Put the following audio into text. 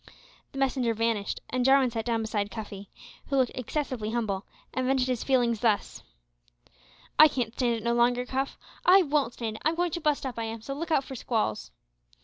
The messenger vanished, and Jarwin sat down beside Cuffy who looked excessively humble and vented his feelings thus "I can't stand it no longer Cuff. I won't stand it! I'm goin' to bust up, I am; so look out for squalls."